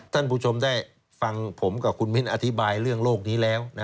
ท่านผู้ชมได้ฟังผมกับคุณมิ้นอธิบายเรื่องโลกนี้แล้ว